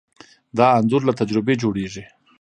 دا انځور له تجربې جوړېږي.